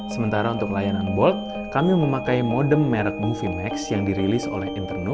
sementara untuk layanan bolt kami memakai modem merek movimex yang dirilis oleh internet